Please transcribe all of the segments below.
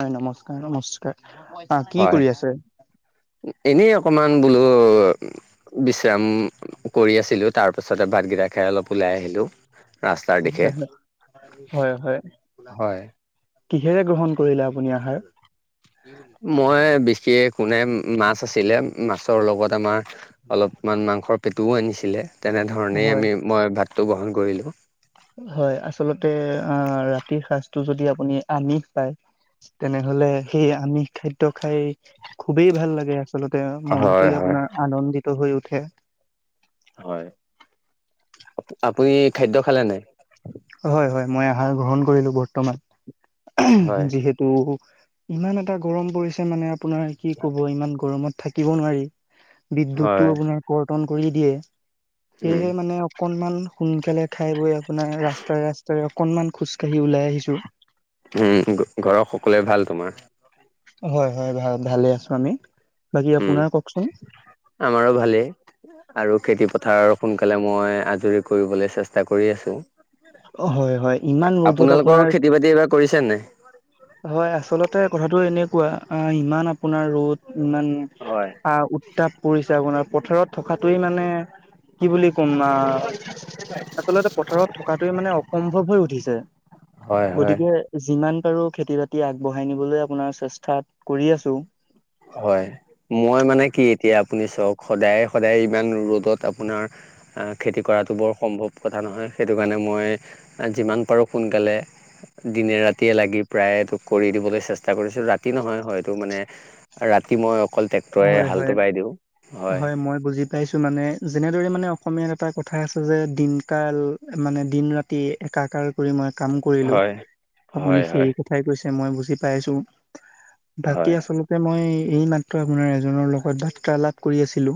হয় নমস্কাৰ নমস্কাৰ আহ কি হয় কৰি আছে এনেই অকমান বোলো বিশ্ৰাম কৰি আছিলো তাৰ পাছতে ভাতকেইটাক কা খোই অলপ ওলাই আহিলো ৰাস্তাৰ দিশে হয় হয় হয় হয়। কিহেৰে গ্ৰহণ কৰিলে আপুনি আহাৰ মই বিশেষ কোনে মাছ মাছ আছিলে মাছৰ লগত আমাৰ অলপমান মাংসৰ পেটুও আনিছিলে তেনেধৰণেই হয় আমি মই ভাতটো গ্ৰহণ কৰিলোঁ। হয় আচলতে অ ৰাতিৰ সজটো যদি আপুনি আনিষ খায় তেনেহলে সেই আমিষ খাদ্য খাই খুবেই ভাল লাগে আচল্ততে মন হয় হয়। আপোনাৰ আনন্দিত হৈ উঠে। হয় আপুনি খাদ্য খালে নাই? হয় হয় মই আহাৰ গ্ৰহণ কৰিলো বৰ্তমান হয় যিহেতু ইমান এটা গৰম পৰিছে মানে আপোনাৰ কি ক'ব ইমান গৰমত থাকিব নোৱাৰি বিদ্যুতটো হয় আপোনাৰ কৰ্তন কৰি দিয়ে। উম সেয়েহে মানে অকণমান সোনকালে খাই বৈ আপোনাৰ ৰাস্তাৰে ৰাস্তাৰে অকণমান খোজ উম ঘৰৰ সকলোৱে ভাল তোমাৰ? হয় হয় ভাল ভালে আছো আমি। বাকী উম আপোনাৰ কওকচোন আমাৰো ভালেই। আৰু খেতি পথাৰ সোনকালে মই আজৰি কৰিবলে চেষ্টা কৰি আছো। হয় হয় ইমান ৰ'দত আপোনাৰ আপোনালোকৰ খেতি বাতি এইবাৰ কৰিছে নে? হয় আচলতে কথাটো এনেকুৱা আহ ইমান আপোনাৰ ৰ'দ। ইমান হয়। আহ উত্তাপ পৰিছে আপোনাৰ পথাৰত থকাতোৱে মানে কি বুলি ক'ম না। আচলতে পথাৰত থকাটোৱে মানে অসম্ভৱ হৈ উঠিছে। হয় হয় গতিকে যিমান পাৰো খেতি বাতি আগবঢ়াই নিবলৈ আপোনাৰ চেষ্টাত কৰি আছো। হয়। মই মানে কি এতিয়া আপুনি চাওক সদায় সদায় ইমান ৰ'দত আপোনাৰ খেতি কৰাটো বৰ সম্ভৱ কথা নহয়। সেইটো কাৰণে মই যিমান পাৰোঁ সোনকালে দিনে ৰাতিয়ে লাগি প্ৰায়টো কৰি দিবলৈ চেষ্টা কৰিছো। ৰাতি নহয় হয়টো মানে ৰাতি মই অকল ট্ৰেক্টৰে হয় হালটো হয় বাই দিওঁ হয় মই বুজি পাইছো মানে। যেনেদৰে মানে অসমীয়াত এটা কথা আছে যে দিনকাল মানে দিন ৰাতি একাকাৰ কৰি মই কাম কৰিলো হয় আপুনি হয় সেই হয় কথাই কৈছে। মই বুজি পাইছো। বাকী আচলতে মই এই মাত ত আপোনাৰ এজনৰ লগত বাৰ্তা লাপ কৰি আছিলো।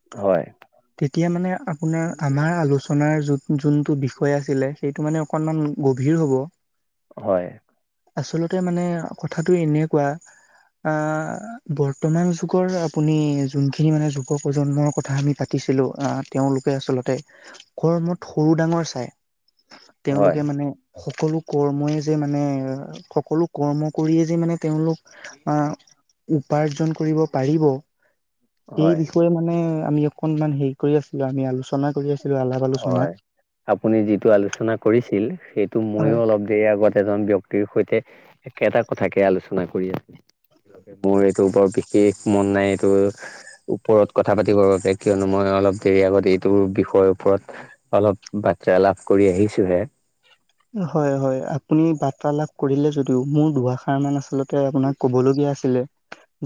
হয় তেতিয়া মানে আপোনাৰ আমাৰ আলোচনাৰ যত, যোনটো বিষয় আছিলে সেইটো মানে অকনমান গভীৰ হ'ব। হয়। আচলতে মানে কথাটো এনেকুৱা আহ বৰ বৰ্তমান যুগৰ আপুনি যোনখিনি মানে যুৱ প্ৰজন্মৰ কথা আমি পাতিছিলোঁ আ তেওঁলোকে আচল লতে কৰ্মত সৰু ডাঙৰ চাই। হয় তেওঁলোকে মানে সকলো কৰ্মই যে মানে সকলো কৰ্ম কৰিয়েই যে মানে তেওঁলোক আহ উপাৰ্জন কৰিব পাৰিব সেই হয় বিষয়ে মানে আমি অকনমান হেৰি কৰি আছিলো আমি আলোচনা কৰি আছিলো আলাপ আলোচনা। হয়। আপুনি যিটো আলোচনা কৰিছিল সেইটো ময়ো হয় অলপ দেৰি আগত এজন ব্যক্তিৰ সৈতে একেটা কথাকে আলোচনা কৰি আছে মোৰ এইটো বৰ বিশেষ মন নাই এইটো ওপৰত কথা পাতিবৰ বাবে কিয়নো মই অলপ দেৰি আগত এইটো বিষয়ে ওপৰত অলপ বাৰ্তা লাভ কৰি আহিছোহে। হয় হয়। আপুনি বাৰ্তা লাভ কৰিলে যদিও মোৰ দুআষাৰ মান আছিলে ত আপোনাক কবলগীয়া আছিলে।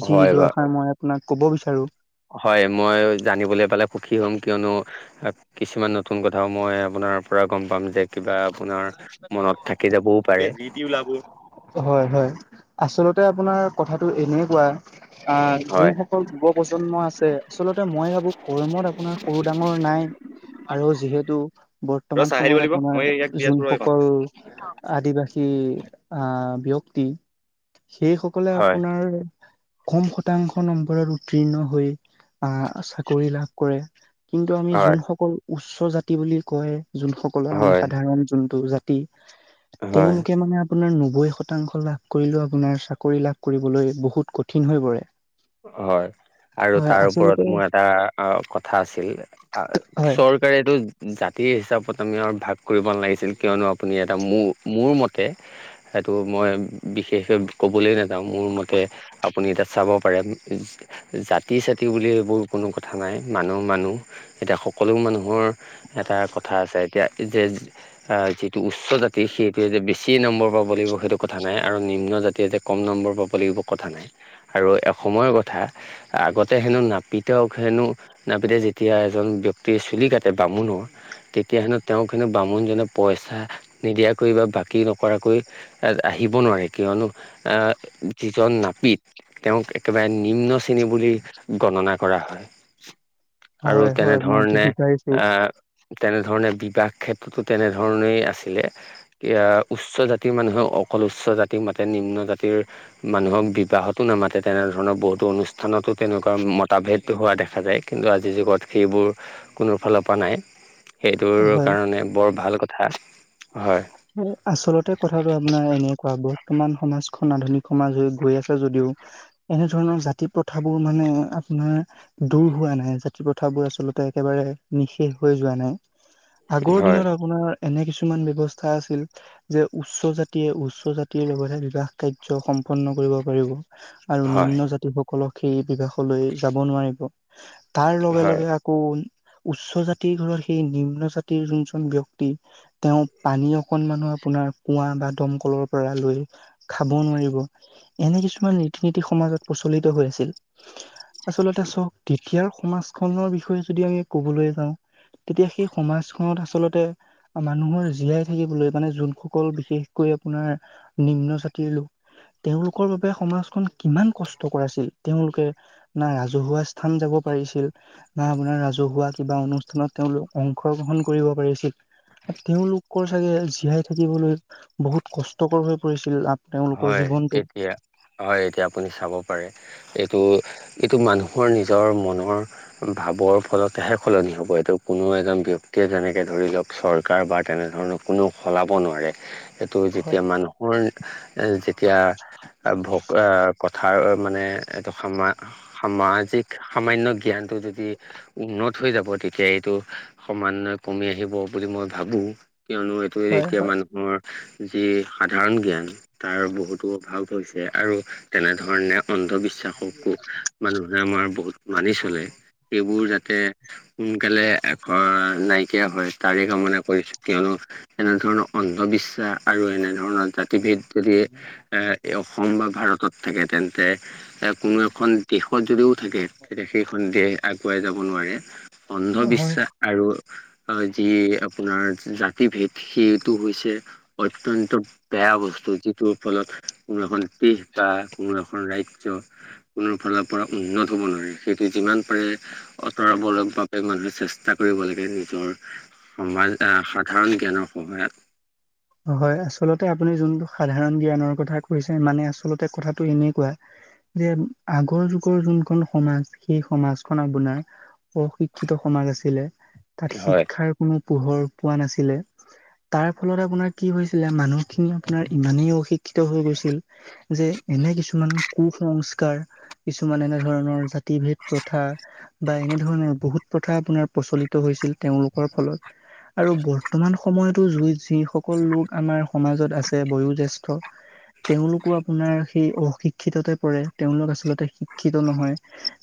যি হয় বা- দুআষাৰ মই আপোনাক ক'ব বিচাৰো। হয় মই জানিবলৈ পালে সুখী হ'ম কিয়নো কিছুমান নতুন কথাও মই আপোনাৰ পৰা গম পাম যে কিবা আপোনাৰ মনত থাকি যাবও উপায় হয় হয় আচলতে আপোনাৰ কথাটো এনেকুৱা আহ হয়। যোনসকল যুৱ প্ৰজন্ম আছে। আচলতে মই ভাবো কৰ্মত আপোনাৰ সৰু ডাঙৰ নাই। আৰু যিহেতু ৰ বৰ্তমান চাই আহিব সময়ত লাগিব আপোনাৰ মই ইয়াক দি আছো ৰ এইকণ। যোনসকল আদিবাসী আহ ব্যক্তি সেইসকলে হয় আপোনাৰ কম শতাংশ নম্বৰত উত্তীৰ্ণ হৈ আহ চাকৰি লাভ কৰে। কিন্তু আমি হয়। যোনসকল উচ্চ জাতি বুলি কয় যোনসকলৰ আমি হয়, সাধাৰণ যোনটো জাতি। হয়, তেওঁলোকে মানে আপোনাৰ নবৈ শতাংশ লাভ কৰিলেও আপোনাৰ চাকৰি লাভ কৰিবলৈ বহুত কঠিন হৈ পৰে। হয় আৰু হয় তাৰ ওপৰত আচলতে মোৰ এটা আ কথা আছিল। হয় চৰকাৰে এইটো জাতি সেই হিচাপত আমি আৰু ভাগ কৰিব নালাগিছিল কিয়নো আপুনি এটা মোৰ মোৰ মতে এইটো মই বিশেষকে ক'বলৈ নাযাও মোৰ মতে আপুনি এতা চাব পাৰে আমি জাতি ছাতি বুলি এইবোৰ কোনো কথা নাই মানুহ মানুহ এতিয়া সকলো মানুহৰ এটা কথা আছে এতিয়া যে যিটো উচ্চ জাতি সেইটোৱে যে বেছি চি নম্বৰ পাব লাগিব সেইটো কথা নাই আৰু নিম্ন জাতিয়ে যে কম নম্বৰ পাব লাগিব কথা নাই আৰু সময়ৰ কথা আগতে হেনো নাপিতক হেনো নাপিতে যেতিয়া এজন ব্যক্তিৰ চুলি লি কাটে বামুণৰ তেতিয়া হেনো তেওঁক হেনো বামুণজনে পইচা নিদিয়াকৈ বা বাকী নকৰাকৈ আহিব নোৱাৰে কিয়নো যিজন নাপিত তেওঁক একেবাৰে নিম্ন শ্ৰেণী বুলি গণনা কৰা হয়। আৰু হয় হয় মই তেনেধৰণে বুজি পাইছো অহ তেনেধৰণে বিবাহ ক্ষেত্ৰতো তেনেধৰণেই আছিলে ইয়াত উচ্চ জাতি মানুহক অকল উচ্চ জাতিক মাতে নিম্ন জাতিৰ মানুহক বিবাহতো নামাতে তেনেধৰণৰ বহুতো অনুষ্ঠানতো তেনেকোৱা মতাভেদ হোৱা দেখা যায় কিন্তু আজিৰ যুগত সেইবোৰ কোনো ফালৰ পৰা নাই সেইটোৰ হয়। কাৰণে বৰ ভাল কথা হয় আচলতে কথাটো আপোনাৰ এনেকোৱা বৰ্তমান সমাজখন আধুনিক সমাজ হৈ গৈ আছে যদিও এনেধৰণৰ জাতি প্ৰথাবোৰ মানে আপোনাৰ দূৰ হোৱা নাই জাতি প্ৰথাবোৰ আচলতে গোটে একেবাৰে নিঃশেষ হৈ যোৱা নাই আগৰ হয় দিনত আপোনাৰ এনে কিছুমান ব্যৱস্থা অৱস্থা আছিল যে উচ্চ জাতিয়ে উচ্চ জাতিৰ লগতহে বিবাহ কাৰ্য সম্পন্ন কৰিব পাৰিব। আৰু হয় নিম্ন জাতি সকলক সেই বিবাহলৈ যাব নোৱাৰিব তাৰ লগে হয় লগে আকৌ উচ্চ জাতিৰ ঘৰত সেই নিম্ন জাতিৰ যোনজন ব্যক্তি তেওঁ পানী অকনমানো আপোনাৰ কুঁৱা বা দমকলৰ পৰা লৈ খাব নোৱাৰিব এনে কিছুমান ৰীতি নীতি সমাজত প্ৰচলিত হৈ আছিল আচলতে চওক ইয়াৰ সমাজখনৰ বিষয়ে যদি আমি কবলৈ যাও তেতিয়া সেই সমাজখনত আচলতে মানুহৰ জীয়াই থাকিবলৈ মানে যোনসকল বিশেষকৈ আপোনাৰ নিম্ন জাতিৰ লোক তেওঁলোকৰ বাবে সমাজখন কিমান কষ্ট কৰাইছিল তেওঁলোকে নাই ৰাজহুৱা স্থান যাব পাৰিছিল বা আপোনাৰ ৰাজহুৱা কিবা অনুষ্ঠানত তেওঁলোক অংশগ্ৰহণ কৰিব পাৰিছিল তেওঁলোকৰ চাগে জীয়াই থাকিবলৈ বহুত কষ্টকৰ হৈ পৰিছিল আ হয় এতিয়া হয় এতিয়া আপুনি চাব পাৰে ত এইটো মানুহৰ নিজৰ মনৰ ভাৱৰ ফলতেহে সলনি হ'ব এইটো কোনো এজন ব্যক্তিয়ে যেনেকে ধৰি লওক চৰকাৰ বা তেনে ধৰণৰ কোনেও সলাব নোৱাৰে এইটো যেতিয়া হয় মানুহৰ এ যেতিয়া ভোক কথাৰ মানে এইটো সা সামাজিক সামান্য জ্ঞান টো যদি উন্নত হৈ যাব তেতিয়া এইটো সমান্য কমি আহিব বুলি মই ভাবো কিয়নো এইটো হয় এতিয়া মানুহৰ যি সাধাৰণ জ্ঞান তাৰ বহুতো অভাৱ হৈছে আৰু তেনেধৰণে অন্ধবি শ্বাসকো মানুহে আমাৰ বহুত মানি চলে সেইবোৰ যাতে সোনকালে এ নাই থিয় হয় তাৰে কামনা কৰিছো কিয়নো এনেধৰণৰ অন্ধবিশ্বাস আৰু এনেধৰণৰ জাতি ভেদ যদি এ অসম বা ভাৰতত থাকে তেন্তে এ কোনো এখন দেশত যদিও থাকে তেতিয়া সেইখন দেশ আগুৱাই যাব নোৱাৰে হয় হয় অন্ধবিশ্বাস আৰু যি আপোনাৰ জাতি ভেদ সেইটো হৈছে অত্যন্ত বেয়া বস্তু যিটোৰ ফলত কোনো এখন দেশ বা কোনো এখন ৰাজ্য কোনো ফালৰ পৰা উন্নত হ'ব নোৱাৰে সেইটো যিমান পাৰে আঁতৰাব লগ বাবে মানুহে চেষ্টা কৰিব লাগে নিজৰ সমাজ সাধাৰণ জ্ঞানৰ [unintelligible] হয় আচলতে আপুনি যোনটো সাধাৰণ জ্ঞানৰ কথা কৈছে মানে আচলতে কথাটো এনেকোৱা যে আগৰ যুগৰ যোনখন সমাজ সেই সমাজখন আপোনাৰ অশিক্ষিত সমাজ আছিলে তাত হয় শিক্ষাৰ কোনো পোহৰ পোৱা নাছিলে তাৰ ফলত আপোনাৰ কি হৈছিলে মানুহ খিনি আপোনাৰ ইমানেই অশিক্ষিত হৈ গৈছিল যে এনে কিছুমান কু-সংস্কাৰ কিছুমান এনে ধৰণৰ জাতি, ভেদ, প্ৰথা বা এনেধৰণৰ বহুত প্ৰথা আপোনাৰ প্ৰচলিত হৈছে। তেওঁলোকৰ ফলত আৰু বৰ্তমান সময়তো জুই যিসকল লোক আমাৰ সমাজত আছে বয়োজ্যেষ্ঠ তেওঁলোকো আপোনাৰ সেই অশিক্ষিততে পৰে তেওঁলোক আচলতে শিক্ষিত নহয়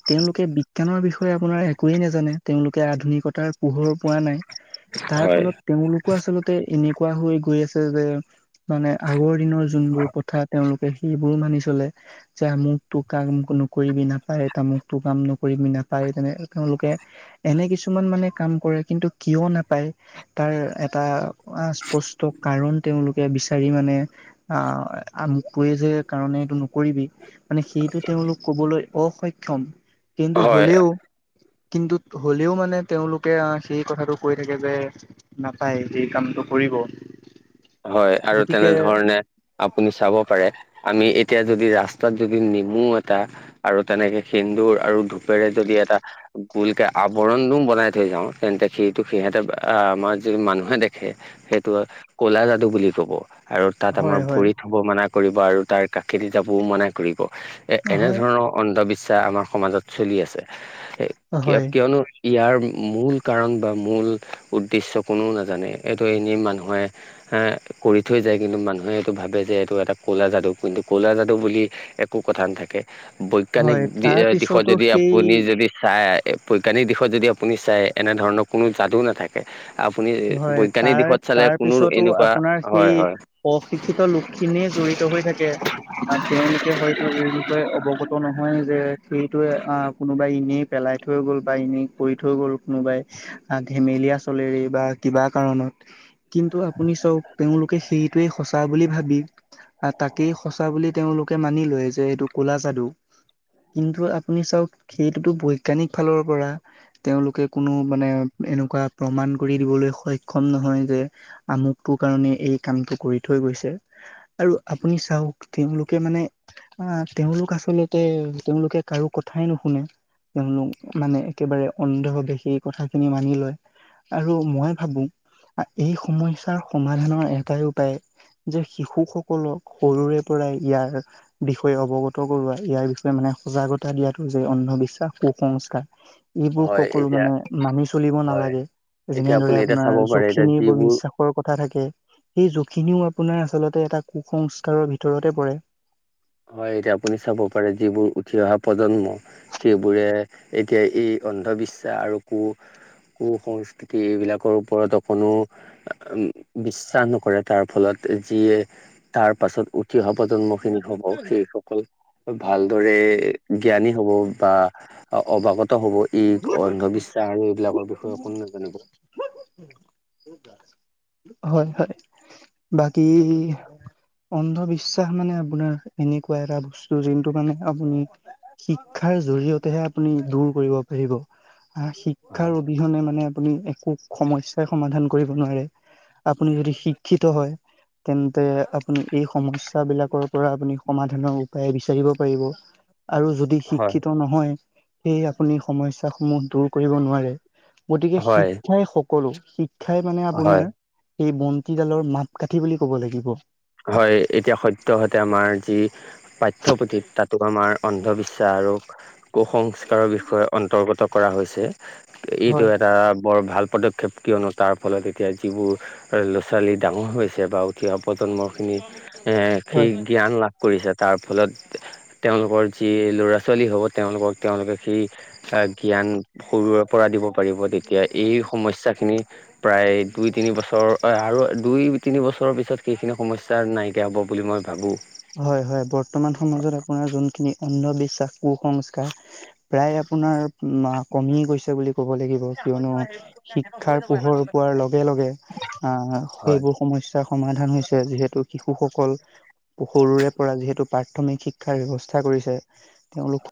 তেওঁলোকে বিজ্ঞানৰ বিষয়ে আপোনাৰ আমাৰ একোৱে নাজানে তেওঁলোকে আধুনিকতাৰ পোহৰ পোৱা নাই। তাৰ ফলত তেওঁলোকো আচলতে এনেকুৱা হৈ গৈ আছে যে মানে আগৰ দিনৰ যোনবোৰ কথা তেওঁলোক সেইবোৰো মানি চলে যে আমুকটো কাম নকৰিবি নাপায়, তামুকটো কাম নকৰিবি নাপ নাপায় তেনে তেওঁলোকে এনে কিছুমান মানে কাম কৰে কিন্তু কিয় নাপায় তাৰ এটা স্পষ্ট কাৰণ তেওঁলোকে বিচাৰি মানে আহ আ কৈ যে কাৰণে এইটো নকৰিবি মানে সেইটো তেওঁলোক কবলৈ অসক্ষম। কিন্তু হয় হলেও কিন্তু হ'লেও মানে তেওঁলোকে আহ সেই কথাটো কৈ থাকে যে নাপায় সেই কামটো। কৰিব। হয় আৰু গতিকে তেনেধৰণে আপুনি চাব পাৰে আমি এতিয়া যদি ৰাস্তাত যদি নেমু এটা আৰু তেনেকে সেন্দুৰ আৰু ধূপেৰে যদি এটা ভোলকে আৱৰণোও বনাই থৈ যাওঁ তেন্তে সিটো সিহঁতে আমাৰ যদি মানুহে দেখে। সেইটো কলা যাদু বুলি ক'ব আৰু তাত আমাৰ হয় হয় ভৰিত থব মানা কৰিব আৰু তাৰ কাষেদি যাবও মনা কৰিব এ হয় এনেধৰণৰ অন্ধবিশ্বাস ইচ্ছা আমাৰ সমাজত চলি আছে এই কিয় হয় কিয়নো ইয়াৰ মূল কাৰণ বা মূল উদ্দেশ্য কোননেও নাজানে এইটো এনেই মানুহে এ কৰি থৈ যায় কিন্তু মানুহে এইটো ভাবে যে এইটো এটা কলা যাদু কিন্তু কলা যাদু বুলি একো কথা নাথাকে বৈজ্ঞানিক হয় দি তাৰ দিশত পিছতো যদি সেই আপুনি যদি চাই বৈজ্ঞানিক দিশত যদি আপুনি চাই এনে ধৰণৰ কোনো যাদু নাথাকে। আপুনি হয় বৈজ্ঞানিক তাৰ দিশত চালে তাৰ কোনো পিছতো এনেকুৱা আপোনাৰ হয় সেই হয় অশিক্ষিত লোক খিনিয়ে জৰিত হৈ থাকে। তেওঁলোকে হয়তো এই বিষয়ে অৱগত নহয় যে সেইটোয়ে আহ কোনোবাই এনেই পেলাই থৈ গ'ল বা এনেই কৰি থৈ গ'ল কোনোবাই আহ ধেমেলীয়া চলেৰে বা কিবা কাৰণত কিন্তু আপুনি চওক তেওঁলোকে সেইটোৱে সঁচা বুলি ভাবি তাকেই সঁচা বুলি তেওঁলোকে মানি লয় যে এইটো কলা যাদু। কিন্তু আপুনি চাওক সেইটোতো বৈজ্ঞানিক ফালৰ পৰা তেওঁলোকে কোনো মানে এনেকুৱা প্ৰমাণ কৰি দিবলৈ সক্ষম নহয় যে আমুকটো কাৰণে এই কামটো কৰি থৈ গৈছে। আৰু আপুনি চাওক তেওঁলোকে মানে আহ তেওঁলোক আচলতে তেওঁলোকে কাৰো কথাই নুশুনে। তেওঁলোক মানে একেবাৰে অন্ধ ভাৱে সেই কথাখিনি মানি লয় আৰু মই ভাবো এই সমস্যাৰ সমাধানৰ এটাই উপায়। যে শিশুসকলক সৰুৰে পৰাই ইয়াৰ বিষয়ে অৱগত কৰোৱা ইয়াৰ বিষয়ে মানে সজাগতা দিয়াতটো যে অন্ধবিশ্বাস কু-সংস্কাৰ। এইবোৰ হয় সকলো এতিয়া মানে মানি চলিব হয় নালাগে এতিয়া আপুনি যেনেদৰে এতিয়া চাব পাৰে এতিয়া যখিনীৰ বুলি যিবোৰ বিশ্বাসৰ কথা থাকে। সেই যখিনিও আপোনাৰ আচলতে এটা কু-সংস্কাৰৰ ভিতৰতে পৰে। হয় এতিয়া আপুনি চাব পাৰে যিবোৰ উঠি অহা প্ৰজন্ম, সেইবোৰে এতিয়া এই অন্ধবিশ্বাস আৰু কু কু সংস্কৃতি এইবিলাকৰ ওপৰত অকণো বিশ্বাস নকৰে তাৰ ফলত। যিয়ে, তাৰ পাছত উঠি অহা প্ৰজন্ম খিনি হ'ব। সেইসকল ভালদৰে জ্ঞানী হ'ব বা অৱাগত হব। ই অন্ধবিশ্বাস আৰু এইবিলাকৰ বিষয়ে কোন নাজানিব। হয় হয়। বাকী অন্ধবিশ্বাস মানে। আপোনাৰ এনেকুৱা এটা বস্তু যোনটো কাৰণে আপুনি। শিক্ষাৰ জৰিয়তেহে আপুনি দূৰ কৰিব আবিহ শিক্ষাৰ হয় অবিহনে মানে আপুনি একো সমস্যা সমাধান কৰিব নোৱাৰে আপুনি যদি শিক্ষিত হয় তেন্তে আপোনলোকেই সমস্যা বিলাকৰ পৰা আপুনি সমাধানৰ উপায় বিচাৰিব পাৰিব আৰু যদি হয় শিক্ষিত নহয় সেয়ে আপুনি সমস্যাসমূহ সমূহ দূৰ কৰিব নোৱাৰে গতিকে হয় শিক্ষাই সকলো শিক্ষাই মানে হয় আপোনাৰ স বন্তিডালৰ মাপকাঠি বুলি ক'ব লাগিব হয় এতিয়া সদ্যহাতে আমাৰ যি পাঠ্যপুথিত তাতো আমাৰ অন্ধবিশ্বাস আৰু কুসংস্কাৰৰ বিষয়ে অন্তৰ্গত কৰা হৈছে। এইটো হয় এটা বৰ ভাল পদক্ষেপ কিয়নো তাৰ ফলত এতিয়া যিবোৰ ল'ৰা ছোৱালী ডাঙৰ হৈছে বা উঠি অহা পৰ্য্যন্ত খিনি হয় সেই জ্ঞান লাভ কৰিছে তাৰ ফলত তেওঁলোকৰ যি ল'ৰা ছোৱালী হ'ব তেওঁলোকক তেওঁলোকে সেই জ্ঞান সৰুৰে পৰা দিব পাৰিব তেতিয়া এই সমস্যাখিনি প্ৰায় দুই তিনি বছৰ হয় আৰু দুই তিনি বছৰৰ পিছত সেইখিনি সমস্যা নাইকিয়া হ'ব বুলি মই ভাবোঁ হয় হয় বৰ্তমান সমাজত আপোনাৰ যোনখিনি অন্ধবিশ্বাস কুসংস্কাৰ প্ৰায় আপোনাৰ কমিয়ে গৈছে বুলি ক কব লাগিব কিয়নো শিক্ষাৰ পোহৰ পোৱাৰ লগে লগে আহ হয় সেইবোৰ সম সমস্যাৰ সমাধান হৈছে যিহেতু শিশুসকল সৰুৰে পৰা যিহেতু প্ৰাথমিক শিক্ষাৰ ব্যৱস্থা কৰিছে তেওঁলোক